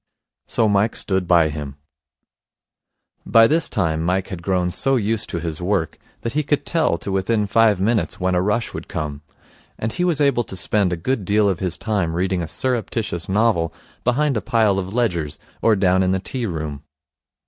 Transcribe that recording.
So Mike stood by him. By this time Mike had grown so used to his work that he could tell to within five minutes when a rush would come; and he was able to spend a good deal of his time reading a surreptitious novel behind a pile of ledgers, or down in the tea room.